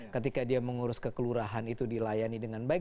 ketika dia mengurus kekelurahan itu dilayani dengan baik